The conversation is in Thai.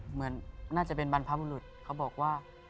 เหมือนน่าจะเป็นบรรพบุรุษเขาบอกว่า